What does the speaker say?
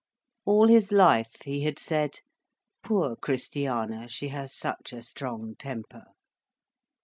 All his life, he had said: "Poor Christiana, she has such a strong temper."